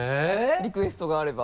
リクエストがあれば。